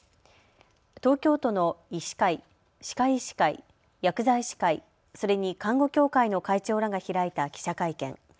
東京都の医師会、歯科医師会、薬剤師会、それに看護協会の会長らが開いた記者会見。